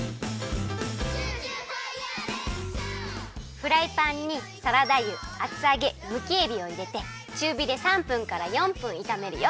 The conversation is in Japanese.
フライパンにサラダ油厚あげむきえびをいれてちゅうびで３分から４分いためるよ。